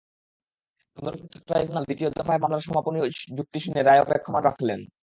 পুনর্গঠিত tribunal দ্বিতীয় দফায় মামলার সমাপনী যুক্তি শুনে রায় অপেক্ষমাণ রাখলেন।